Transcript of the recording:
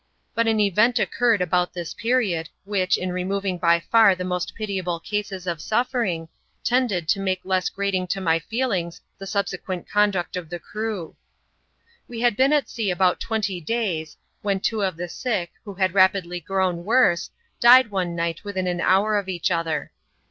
But an event occurred about this period, which, in r^noving bj far the most pitiable cases of suffering, tended to make less grating to my feelings the subsequent conduct of the crew. "We had been at sea about twenty days, when two of the sick, who had rapidly grown worse, died one night within an hour of each other.